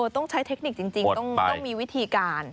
ต้องใช้เทคนิคจริงต้องมีวิธีการ